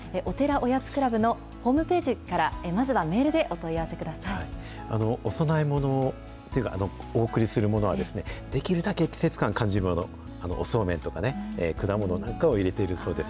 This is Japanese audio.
おやつクラブのホームページから、まずはメールでお問い合お供えものっていうか、お送りするものは、できるだけ季節感感じるもの、おそうめんとかね、果物なんかを入れてるそうです。